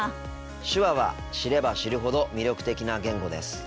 手話は知れば知るほど魅力的な言語です。